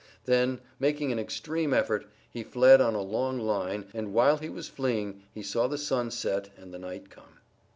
Then, making an extreme effort, he fled on a long time, and, while he was fleeing, he saw the sun set and the night come.